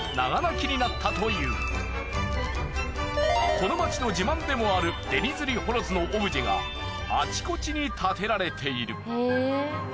この街の自慢でもあるデニズリホロズのオブジェがあちこちに建てられている。